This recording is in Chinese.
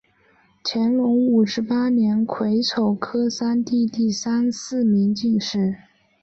乾隆五十八年癸丑科三甲第三十四名进士。